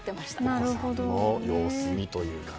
お子さんも様子見というかね。